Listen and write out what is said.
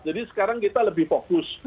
jadi sekarang kita lebih fokus